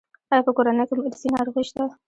ایا په کورنۍ کې مو ارثي ناروغي شته؟